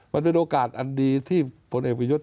มันเป็นโอกาสอันดีที่พลเอกไฟวูล